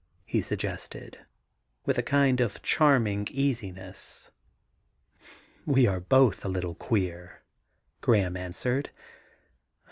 he suggested with a kind of charming easiness. *We are both a little queer,' Graham answered.